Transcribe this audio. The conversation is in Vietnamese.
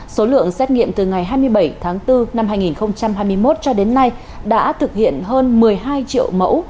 số lượng xét nghiệm từ ngày hai mươi bảy tháng bốn năm hai nghìn hai mươi một cho đến nay đã thực hiện hơn một mươi hai triệu mẫu